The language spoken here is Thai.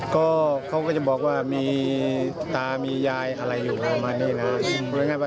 ก็เขาก็จะบอกว่ามีตามียายอะไรอยู่ประมาณนี้นะ